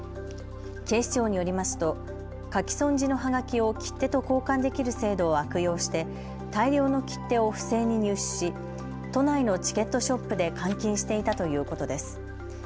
警視庁によりますと書き損じのはがきを切手と交換できる制度を悪用して大量の切手を不正に入手し都内のチケットショップで換金していたということです。